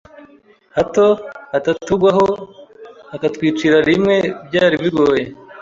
hato batatugwaho bakatwicira rimwe byari bigoye